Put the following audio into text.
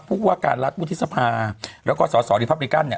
พูดว่าการรัฐวุทธศพาแล้วก็ส่อริพอบริกันเนี่ย